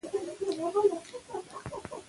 چار مغز د افغانستان په اوږده تاریخ کې ذکر شوی دی.